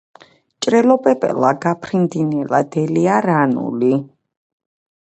ჭრელო პეპელა გაფრინდი ნელა დელია რანული.